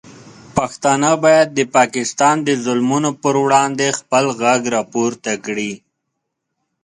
پښتانه باید د پاکستان د ظلمونو پر وړاندې خپل غږ راپورته کړي.